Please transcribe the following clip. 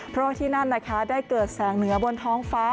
เพราะว่าที่นั่นนะคะได้เกิดแสงเหนือบนท้องฟ้า